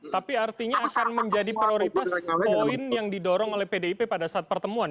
tapi artinya akan menjadi prioritas poin yang didorong oleh pdip pada saat pertemuan